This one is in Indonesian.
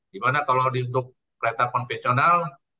dimana kalau untuk kereta konvensional